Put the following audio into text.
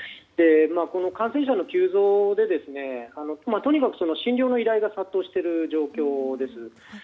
この感染者の急増でとにかく診療の依頼が殺到している状況です。